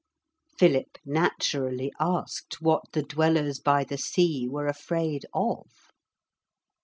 Philip naturally asked what the Dwellers by the Sea were afraid of.